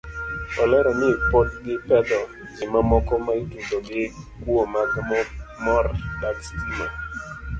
Olero ni pod gipedho ji mamoko maitudo gi kuo mag mor dag stima.